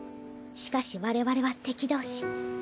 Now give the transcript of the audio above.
しかし我々は敵同士。